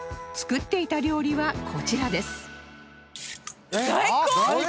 作っていた料理はこちらです